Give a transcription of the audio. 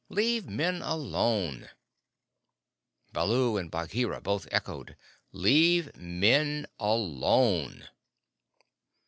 Leave Men alone." Baloo and Bagheera both echoed: "Leave Men alone."